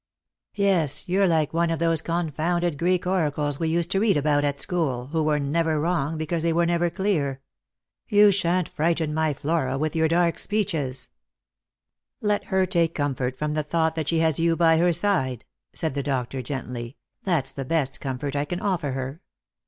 " Yes, you're like one of those confounded Greek oracles we used to read about at school, who were never wrong, because they were never clear. You sha'n't frighten my Flora with your dark speeches." liost for hove. 171 " Let her take comfort from the thought that she has you by Ver side," said the doctor gently ;" that's the best comfort I can |Dlr her."